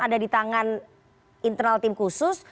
ada di tangan internal tim khusus